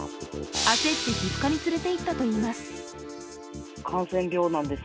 焦って皮膚科に連れていったといいます。